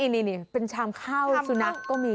นี่เป็นชามข้าวสุนัขก็มี